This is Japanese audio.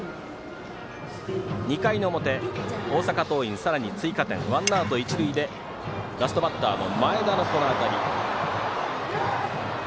２回の表、大阪桐蔭さらに追加点ワンアウト、一塁でラストバッターの前田の当たり。